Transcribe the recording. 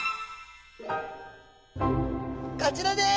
こちらです！